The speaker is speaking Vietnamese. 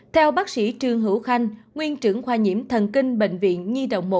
theo bác sĩ trương hữu khanh nguyên trưởng khoa nhiễm thần kinh bệnh viện nhi đồng một